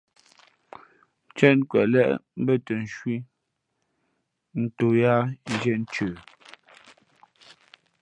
Ncēn kwelěʼ mbᾱ tα ncwī nto yāā zhīē ncə.